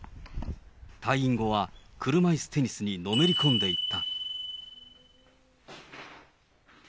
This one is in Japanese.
退院後は車いすテニスにのめり込んでいった。